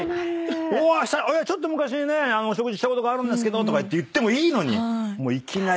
「ちょっと昔にね食事したことがあるんですけど」とかって言ってもいいのにいきなり。